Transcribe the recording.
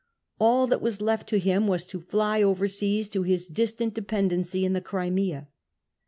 All that was left to him was to fly over seas to his distant dependency in the Crimea.